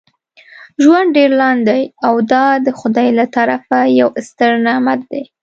ژوند ډیر لنډ دی او دا دخدای له طرفه یو ستر نعمت دی.